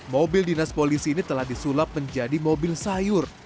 mobil dinas polisi ini telah disulap menjadi mobil sayur